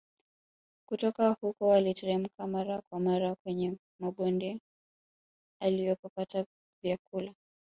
Kutoka huko aliteremka mara kwa mara kwenye mabonde alipopata vyakula